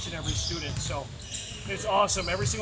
setiap kali saya mendapatkan grup dbl bersama